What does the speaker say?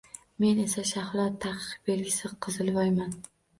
-Men esa Shahlo, ta’qiq belgisi — qizilvoyman.